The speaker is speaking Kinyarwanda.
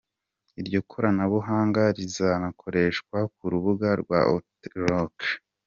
Iryo koranabuhanga rizanakoreshwa ku rubuga rwa Outlook.